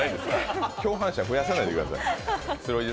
共犯者増やさないでください。